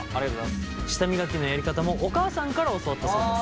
舌磨きのやり方もお母さんから教わったそうです。